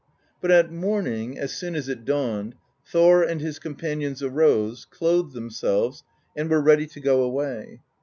But at morning, as soon as it dawned, Thor and his companions arose, clothed themselves, and were ready to go away.